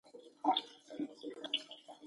له سهاره تر ماښامه پاچاهۍ ړنګوي.